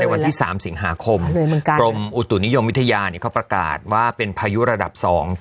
วันที่๓สิงหาคมกรมอุตุนิยมวิทยาเขาประกาศว่าเป็นพายุระดับสอง